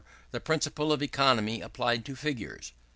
The Principle of Economy applied to Figures.